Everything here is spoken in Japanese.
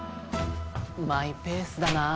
マイペースだなあ。